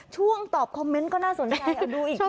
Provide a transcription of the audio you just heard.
ช่วงตอบคอมเมนต์ก็น่าสนใจเอาดูอีกทีค่ะ